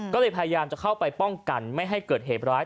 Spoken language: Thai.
ก็เลยพยายามจะเข้าไปป้องกันไม่ให้เกิดเหตุร้าย